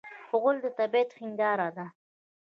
غول د طبعیت هنداره ده.